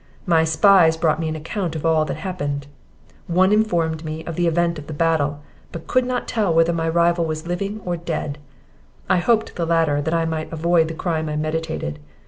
My spies brought me an account of all that happened; one informed me of the event of the battle, but could not tell whether my rival was living or dead; I hoped the latter, that I might avoid the crime I meditated.